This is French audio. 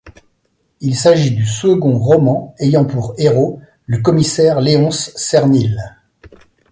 Il s’agit du second roman ayant pour héros le commissaire Léonce Cernil.